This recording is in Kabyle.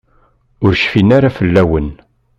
Ur cfin ara fell-awen.